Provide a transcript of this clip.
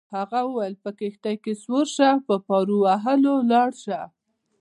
هغه وویل: په کښتۍ کي سپور شه او په پارو وهلو ولاړ شه.